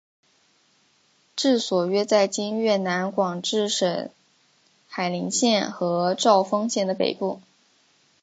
治所约在今越南广治省海陵县和肇丰县的北部。